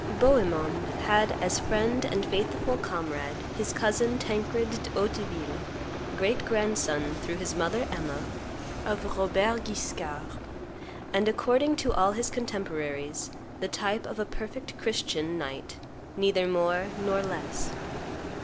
Bohemond had as friend and faithful comrade his cousin Tancred de Hauteville, great grandson, through his mother, Emma, of Robert Guiscard, and, according to all his contemporaries, the type of a perfect Christian knight, neither more nor less.